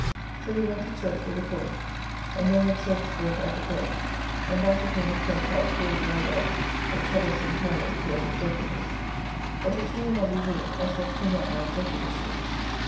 So we went to church with the corps, and there had service read at the grave, and back again with Pegg Kite who will be, I doubt, a troublesome carrion to us executors; but if she will not be ruled, I shall fling up my executorship.